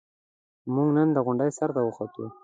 موږ نن د غونډۍ سر ته وخوتو.